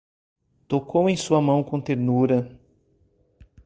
Tocou em sua mão com ternura